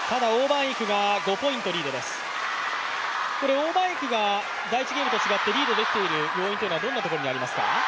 王曼イクが第１ゲームと違ってリードできている要因はどんなところにありますか？